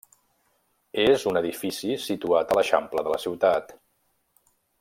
És un edifici situat a l'eixample de la ciutat.